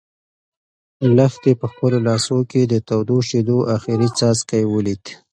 لښتې په خپلو لاسو کې د تودو شيدو اخري څاڅکی ولید.